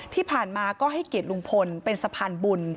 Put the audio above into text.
ที่ผ่านมาก็ให้เกียรติลุงพลเป็นสะพานบุญ